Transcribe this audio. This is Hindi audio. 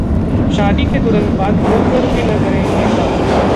शादी के तुरंत बाद भूलकर भी न करें ये काम...